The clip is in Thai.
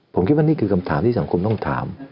ผมคิดว่านี่คือคำถามที่สังคมต้องถาม